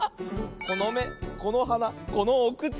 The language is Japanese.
このめこのはなこのおくち。